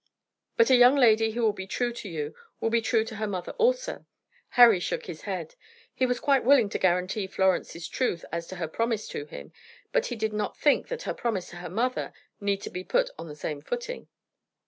"But a young lady who will be true to you will be true to her mother also." Harry shook his head. He was quite willing to guarantee Florence's truth as to her promise to him, but he did not think that her promise to her mother need be put on the same footing.